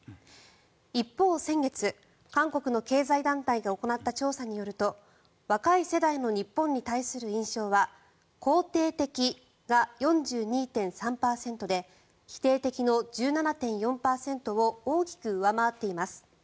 一方、先月韓国の経済団体が行った調査によると若い世代の日本に対する印象は肯定的が４２．３％で否定的の１７．４％を大きく上回っています。